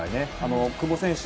久保選手